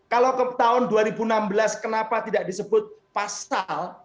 kalau tahun dua ribu enam belas kenapa tidak disebut pasal